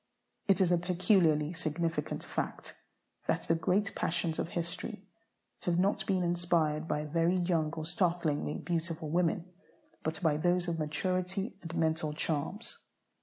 It is a peculiarly significant fact that the great passions of history have not been inspired by very young or startlingly beautiful women, but by those of maturity and mental charms.